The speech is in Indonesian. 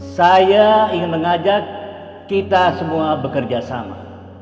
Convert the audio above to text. saya ingin mengajak kita semua bekerja sama